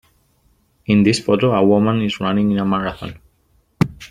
In this photo, a woman is running in a marathon.